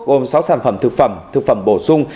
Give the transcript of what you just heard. gồm sáu sản phẩm thực phẩm thực phẩm bổ sung